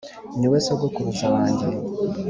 ni we sogokuruza wanjye